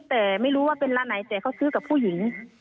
แต่ไม่รู้ว่าเป็นร้านไหนแต่เขาซื้อกับผู้หญิง